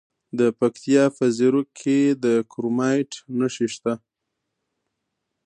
د پکتیکا په زیروک کې د کرومایټ نښې شته.